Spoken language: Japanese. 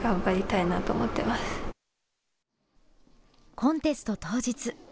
コンテスト当日。